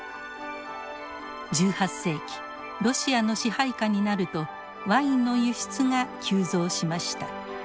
１８世紀ロシアの支配下になるとワインの輸出が急増しました。